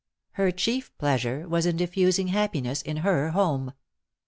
Her chief pleasure was in diffusing happiness in her home.